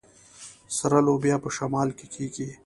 سره لوبیا په شمال کې کیږي.